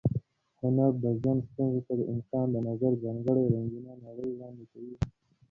هنر د ژوند ستونزو ته د انسان د نظر ځانګړې رنګینه نړۍ وړاندې کوي.